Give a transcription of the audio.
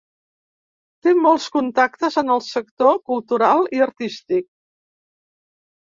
Té molts contactes en el sector cultural i artístic.